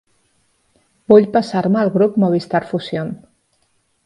Vull passar-me al grup Movistar Fusión.